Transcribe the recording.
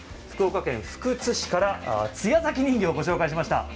福岡県福津市から津屋崎人形をご紹介しました。